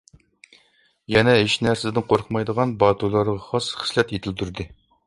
يەنە ھېچ نەرسىدىن قورقمايدىغان باتۇرلارغا خاس خىسلەت يېتىلدۈردى.